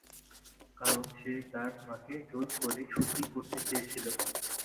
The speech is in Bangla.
কারণ সে তার মাকে জোর করে 'সতী' করতে চেয়েছিল।